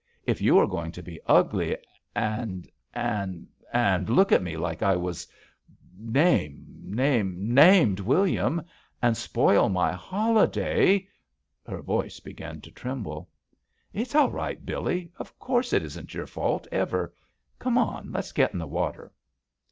If you are going to be ugly and — and — and look at me like I was name — ^name — named Wil liam, and spoil my holiday —" Her voice began to tremble. "It's all right, Billee. Of course it isn't your fault — ever. Come on, let's get in the water."